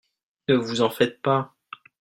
Ne vous en faites pas !